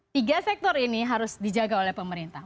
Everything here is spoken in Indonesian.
tiga sektor ini harus dijaga oleh pemerintah